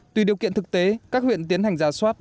tùy điều kiện thực tế các huyện tiến hành giả soát